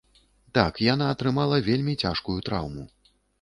Так, яна атрымала вельмі цяжкую траўму.